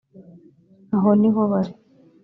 aho ni ho bari